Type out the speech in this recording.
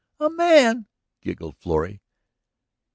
"A man!" giggled Florrie.